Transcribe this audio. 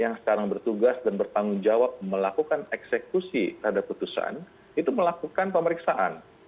yang sekarang bertugas dan bertanggung jawab melakukan eksekusi terhadap putusan itu melakukan pemeriksaan